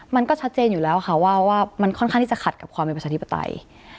มันก็ชัดเจนอยู่แล้วค่ะว่ามันค่อนข้างที่จะขัดกับความเป็นประชาธิปไตย